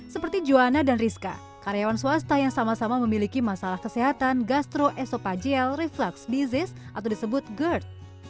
seperti juana dan rizka karyawan swasta yang sama sama memiliki masalah kesehatan gastroesopagial reflux disease atau disebut gerd